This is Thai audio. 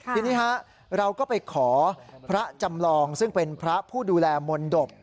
ทีนี้เราก็ไปขอพระจำลองซึ่งเป็นพระผู้ดูแลมนตบ